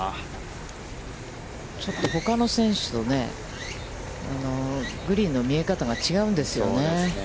ちょっと、ほかの選手とね、グリーンの見え方が違うんですよね。